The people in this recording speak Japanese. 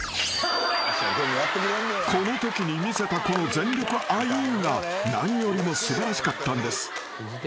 ［このときに見せたこの全力アイーンが何よりも素晴らしかったんです］